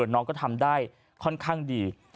น้องก็ทำได้ค่อนข้างดี